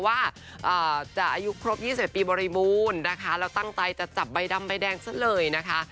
ว่าจะอายุครบ๒๗ปีบริหญิงโบรใหม่เราตั้งใต้จะจับใบดำใบแดงซะเลยนะคะ